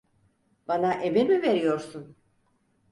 Bana emir mi veriyorsun?